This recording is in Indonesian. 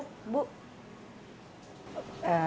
mungkin habis ini akan liburan